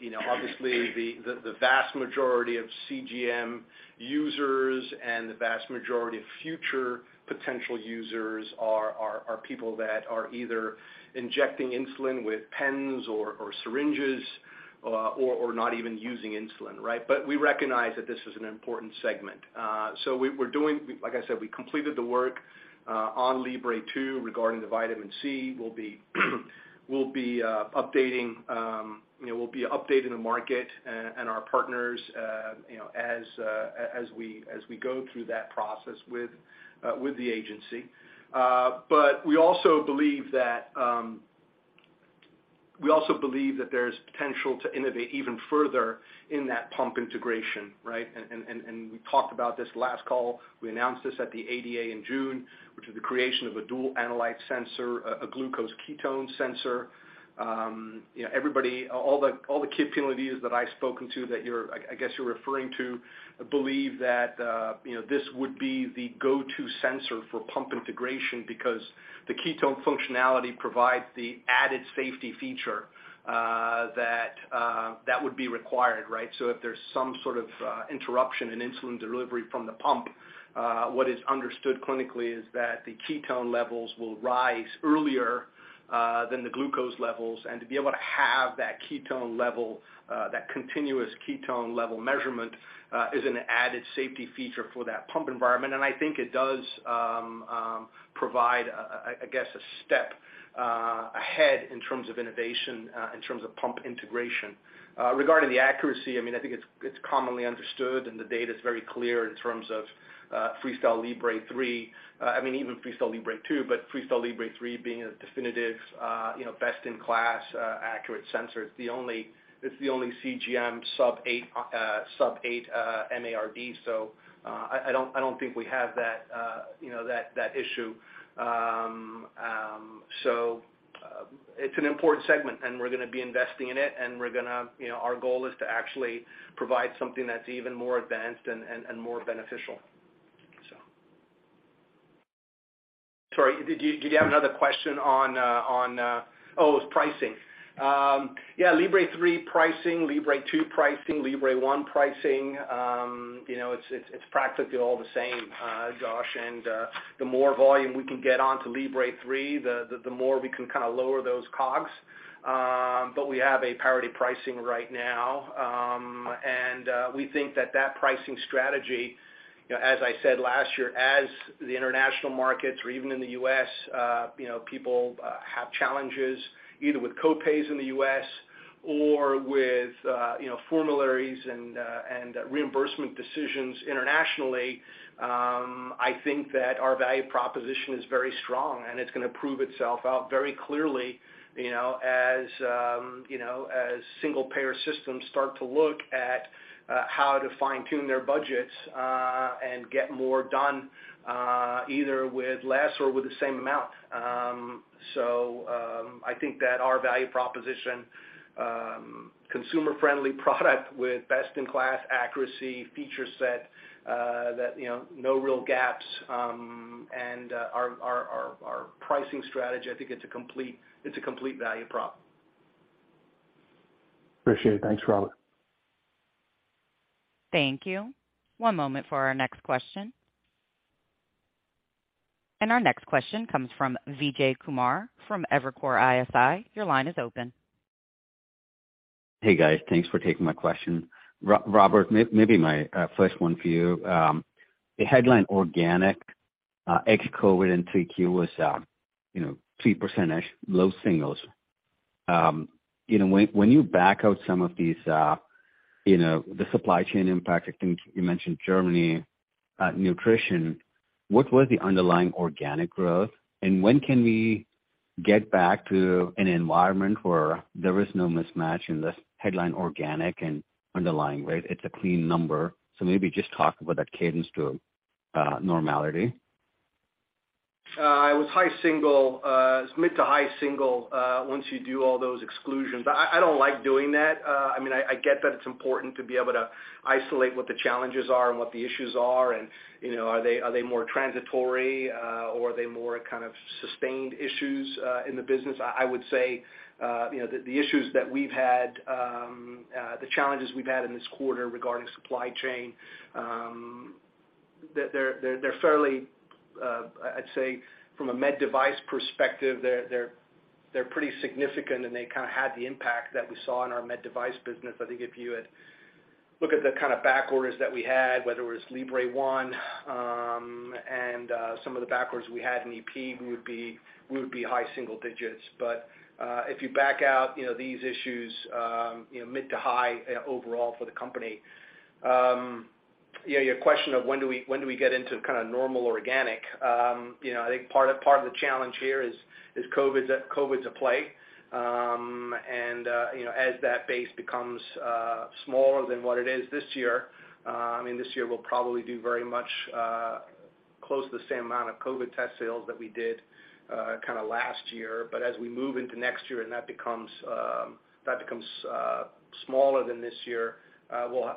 You know, obviously the vast majority of CGM users and the vast majority of future potential users are people that are either injecting insulin with pens or syringes, or not even using insulin, right? We recognize that this is an important segment. We're doing—like I said, we completed the work on Libre 2 regarding the vitamin C. We'll be updating the market and our partners, you know, as we go through that process with the agency. We also believe that there's potential to innovate even further in that pump integration, right? We talked about this last call. We announced this at the ADA in June, which is the creation of a dual analyte sensor, a glucose ketone sensor. You know, everybody, all the key opinion leaders that I've spoken to, I guess you're referring to believe that, you know, this would be the go-to sensor for pump integration because the ketone functionality provides the added safety feature that would be required, right? If there's some sort of interruption in insulin delivery from the pump, what is understood clinically is that the ketone levels will rise earlier than the glucose levels. To be able to have that ketone level, that continuous ketone level measurement, is an added safety feature for that pump environment. I think it does provide, I guess, a step ahead in terms of innovation in terms of pump integration. Regarding the accuracy, I mean, I think it's commonly understood and the data is very clear in terms of FreeStyle Libre 3. I mean, even FreeStyle Libre 2, but FreeStyle Libre 3 being a definitive, you know, best in class accurate sensor. It's the only CGM sub-8 MARD. So, I don't think we have that, you know, that issue. So, it's an important segment, and we're gonna be investing in it, and we're gonna, you know, our goal is to actually provide something that's even more advanced and more beneficial. So... Oh, it was pricing. Yeah, Libre 3 pricing, Libre 2 pricing, Libre 1 pricing, you know, it's practically all the same, Joshua. The more volume we can get onto Libre 3, the more we can kind of lower those COGS. We have a parity pricing right now. We think that pricing strategy, you know, as I said last year, as the international markets or even in the US, you know, people have challenges either with co-pays in the US or with, you know, formularies and reimbursement decisions internationally. I think that our value proposition is very strong, and it's gonna prove itself out very clearly, you know, as single payer systems start to look at how to fine-tune their budgets and get more done, either with less or with the same amount. I think that our value proposition, consumer-friendly product with best in class accuracy, feature set, that, you know, no real gaps, and our pricing strategy, I think it's a complete value prop. Appreciate it. Thanks, Robert. Thank you. One moment for our next question. Our next question comes from Vijay Kumar from Evercore ISI. Your line is open. Hey, guys. Thanks for taking my question. Robert, maybe my first one for you. The headline organic ex COVID in 3Q was, you know, 3%-ish, low singles. You know, when you back out some of these, you know, the supply chain impacts, I think you mentioned Germany, nutrition, what was the underlying organic growth? And when can we get back to an environment where there is no mismatch in this headline organic and underlying rate? It's a clean number. Maybe just talk about that cadence to normality. It was high single, mid to high single, once you do all those exclusions. I don't like doing that. I mean, I get that it's important to be able to isolate what the challenges are and what the issues are and, you know, are they more transitory, or are they more kind of sustained issues in the business. I would say, you know, the issues that we've had, the challenges we've had in this quarter regarding supply chain, they're fairly, I'd say from a med device perspective, they're pretty significant, and they kind of had the impact that we saw in our med device business. I think if you had looked at the kind of back orders that we had, whether it was Libre 1 and some of the back orders we had in EP, we would be high single digits. If you back out, you know, these issues, you know, mid to high overall for the company. You know, your question of when do we get into kind of normal organic? You know, I think part of the challenge here is COVID's at play. You know, as that base becomes smaller than what it is this year, I mean, this year, we'll probably do very much close to the same amount of COVID test sales that we did kind of last year. As we move into next year, and that becomes smaller than this year,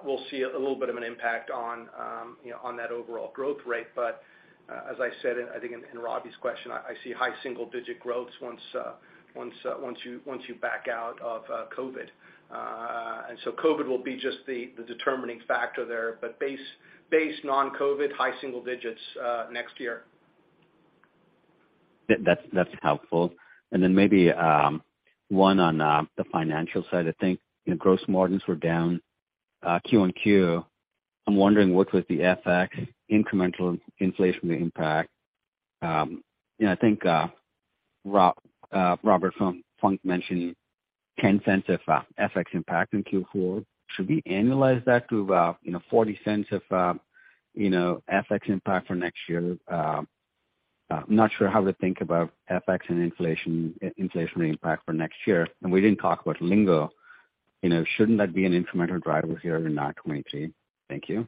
we'll see a little bit of an impact on, you know, on that overall growth rate. As I said, I think in Robert's question, I see high single digit growths once you back out of COVID. COVID will be just the determining factor there. Base non-COVID high single digits next year. That's helpful. Maybe one on the financial side. I think, you know, gross margins were down Q-on-Q. I'm wondering what was the FX incremental inflationary impact? You know, I think Robert Funck mentioned $0.10 of FX impact in Q4. Should we annualize that to about, you know, $0.40 of FX impact for next year? I'm not sure how to think about FX and inflation, inflationary impact for next year. We didn't talk about Lingo. You know, shouldn't that be an incremental driver here in 2023? Thank you.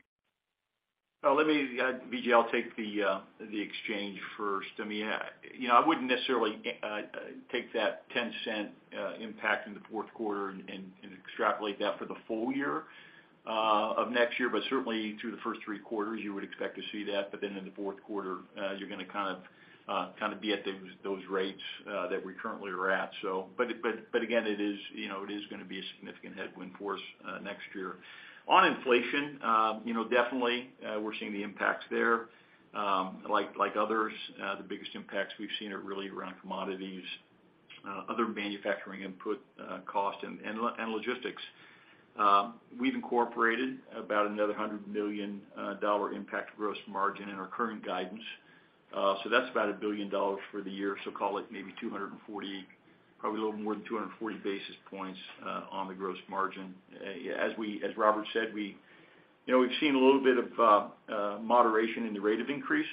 Well, let me, Vijay, I'll take the exchange first. I mean, you know, I wouldn't necessarily take that $0.10 impact in the fourth quarter and extrapolate that for the full year of next year, but certainly through the first three quarters, you would expect to see that. But then in the fourth quarter, you're gonna kind of be at those rates that we currently are at. But again, it is, you know, it is gonna be a significant headwind for us next year. On inflation, you know, definitely, we're seeing the impacts there. Like others, the biggest impacts we've seen are really around commodities, other manufacturing input costs and logistics. We've incorporated about another $100 million impact on gross margin in our current guidance. That's about $1 billion for the year. Call it maybe 240, probably a little more than 240 basis points on the gross margin. As Robert said, we, you know, we've seen a little bit of moderation in the rate of increase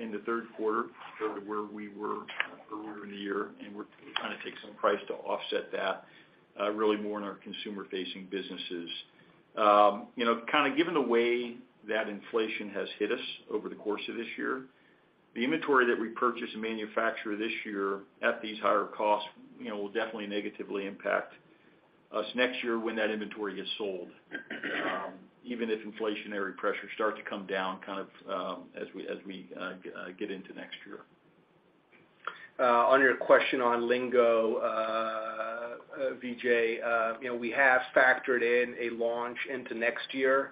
in the third quarter compared to where we were earlier in the year, and we're trying to take some price to offset that, really more in our consumer-facing businesses. You know, kind of given the way that inflation has hit us over the course of this year, the inventory that we purchase and manufacture this year at these higher costs, you know, will definitely negatively impact us next year when that inventory gets sold, even if inflationary pressures start to come down kind of, as we get into next year. On your question on Lingo, Vijay, you know, we have factored in a launch into next year.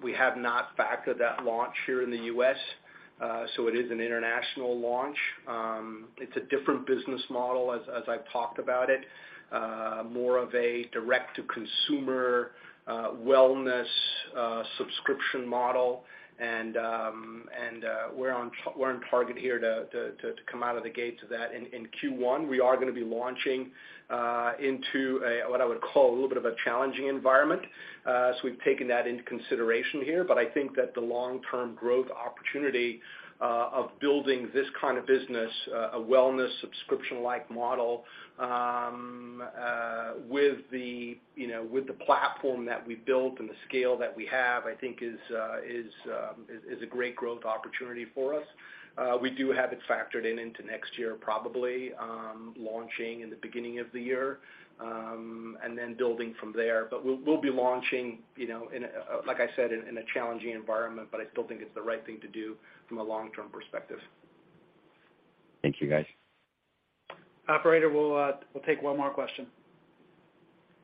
We have not factored that launch here in the U.S., so it is an international launch. It's a different business model as I've talked about it, more of a direct-to-consumer, wellness, subscription model. We're on target here to come out of the gates of that in Q1. We are gonna be launching into a what I would call a little bit of a challenging environment, so we've taken that into consideration here. I think that the long-term growth opportunity of building this kind of business, a wellness subscription-like model, with you know with the platform that we built and the scale that we have, I think is a great growth opportunity for us. We do have it factored into next year, probably, launching in the beginning of the year and then building from there. We'll be launching, you know, in a, like I said, in a challenging environment, but I still think it's the right thing to do from a long-term perspective. Thank you, guys. Operator, we'll take one more question.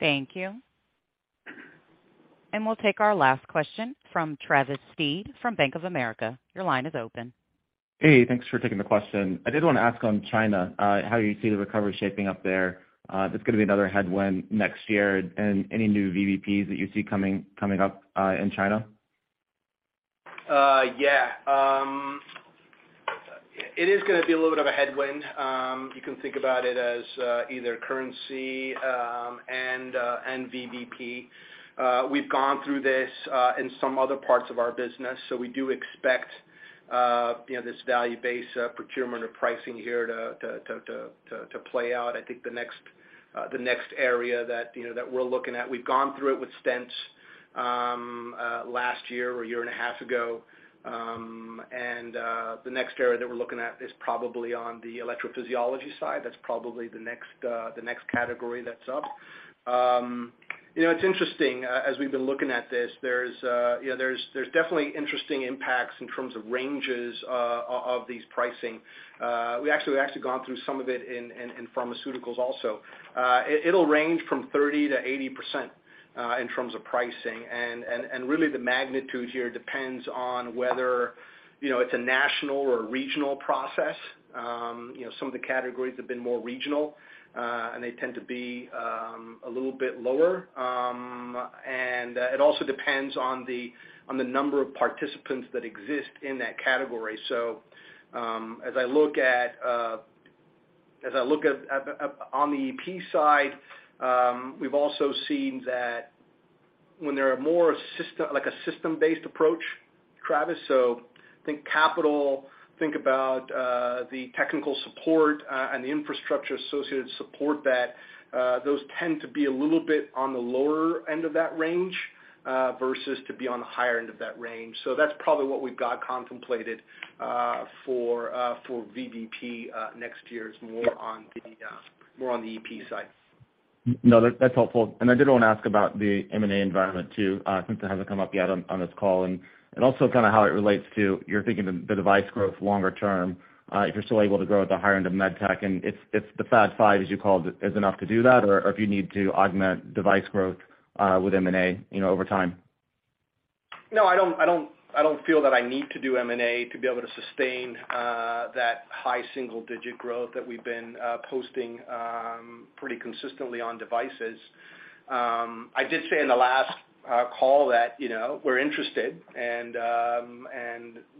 Thank you. We'll take our last question from Travis Steed from Bank of America. Your line is open. Hey, thanks for taking the question. I did want to ask on China, how you see the recovery shaping up there? That's gonna be another headwind next year, and any new VBP that you see coming up in China? Yeah. It is gonna be a little bit of a headwind. You can think about it as either currency and VBP. We've gone through this in some other parts of our business, so we do expect, you know, this value-based procurement or pricing here to play out. I think the next area that, you know, that we're looking at. We've gone through it with stents last year or a year and a half ago. The next area that we're looking at is probably on the electrophysiology side. That's probably the next category that's up. You know, it's interesting, as we've been looking at this, there's, you know, there's definitely interesting impacts in terms of ranges of these pricing. We actually have gone through some of it in pharmaceuticals also. It'll range from 30%-80% in terms of pricing. Really the magnitude here depends on whether, you know, it's a national or regional process. You know, some of the categories have been more regional, and they tend to be a little bit lower. It also depends on the number of participants that exist in that category. As I look at the EP side, we've also seen that when there are more system... Like a system-based approach, Travis, so think capital, think about the technical support and the infrastructure associated support that those tend to be a little bit on the lower end of that range versus to be on the higher end of that range. That's probably what we've got contemplated for VBP next year is more on the EP side. No, that's helpful. I did wanna ask about the M&A environment too, since it hasn't come up yet on this call. Also kinda how it relates to your thinking the device growth longer term, if you're still able to grow at the higher end of med tech, and if the Fab Five, as you call it, is enough to do that, or if you need to augment device growth with M&A, you know, over time. No, I don't feel that I need to do M&A to be able to sustain that high single digit growth that we've been posting pretty consistently on devices. I did say in the last call that, you know, we're interested and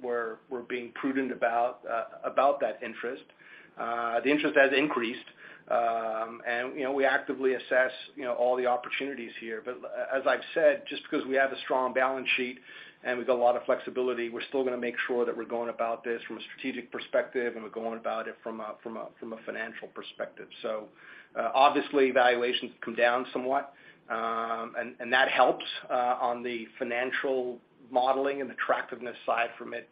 we're being prudent about that interest. The interest has increased. You know, we actively assess all the opportunities here. As I've said, just because we have a strong balance sheet and we've got a lot of flexibility, we're still gonna make sure that we're going about this from a strategic perspective, and we're going about it from a financial perspective. Obviously valuations come down somewhat, and that helps on the financial modeling and attractiveness side from it.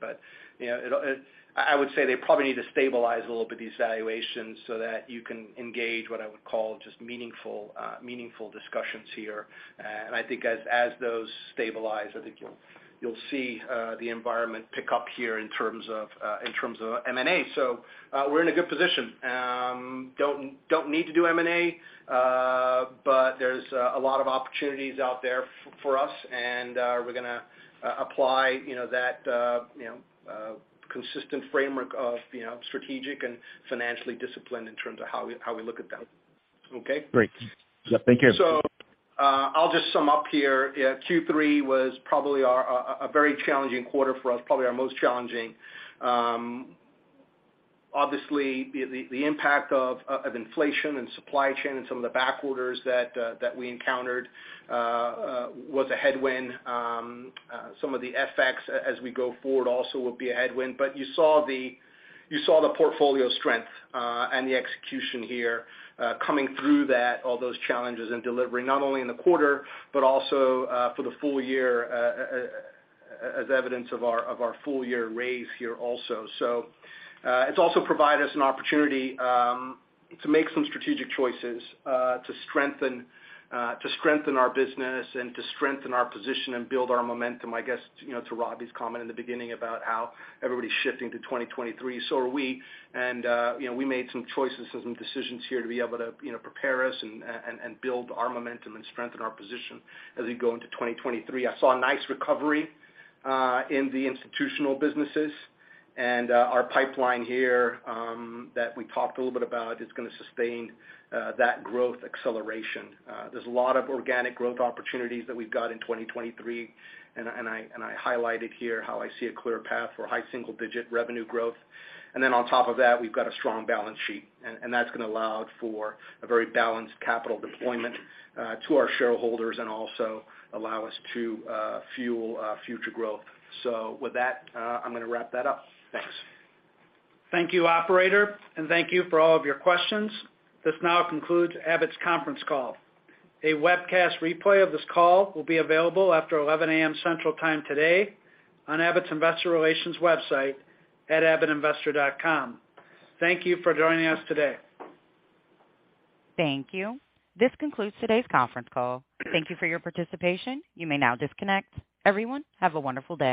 I would say they probably need to stabilize a little bit, these valuations, so that you can engage what I would call just meaningful discussions here. I think as those stabilize, I think you'll see the environment pick up here in terms of M&A. We're in a good position. Don't need to do M&A, but there's a lot of opportunities out there for us, and we're gonna apply you know that consistent framework of you know strategic and financially disciplined in terms of how we look at them. Okay? F. Yeah, thank you. I'll just sum up here. Q3 was probably our very challenging quarter for us, probably our most challenging. Obviously the impact of inflation and supply chain and some of the back orders that we encountered was a headwind. Some of the FX as we go forward also will be a headwind. You saw the portfolio strength and the execution here coming through all those challenges and delivering not only in the quarter but also for the full year as evidence of our full year raise here also. It's also provided us an opportunity to make some strategic choices to strengthen our business and to strengthen our position and build our momentum. I guess, you know, to Robert's comment in the beginning about how everybody's shifting to 2023, so are we. You know, we made some choices and some decisions here to be able to, you know, prepare us and build our momentum and strengthen our position as we go into 2023. I saw a nice recovery in the institutional businesses and our pipeline here that we talked a little bit about is gonna sustain that growth acceleration. There's a lot of organic growth opportunities that we've got in 2023, and I highlighted here how I see a clear path for high single digit revenue growth. On top of that, we've got a strong balance sheet, and that's gonna allow for a very balanced capital deployment to our shareholders and also allow us to fuel future growth. With that, I'm gonna wrap that up. Thanks. Thank you, operator, and thank you for all of your questions. This now concludes Abbott's conference call. A webcast replay of this call will be available after 11 A.M. Central Time today on Abbott's investor relations website at abbottinvestor.com. Thank you for joining us today. Thank you. This concludes today's conference call. Thank you for your participation. You may now disconnect. Everyone, have a wonderful day.